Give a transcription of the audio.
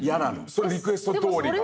それリクエストどおりが。